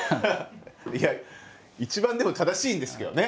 いや一番でも正しいんですけどね。